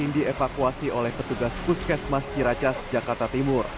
dievakuasi oleh petugas puskes mas ciracas jakarta timur